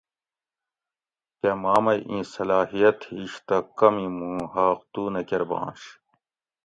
کہ ما مئی اِیں صلاحیت ہِیش تہ کمی موں حاق تُو نہ کۤر بانش